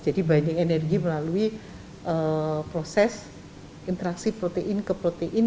jadi banding energi melalui proses interaksi protein ke protein